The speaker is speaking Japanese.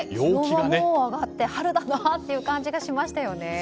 気温がもう上がって春だなという感じがしましたね。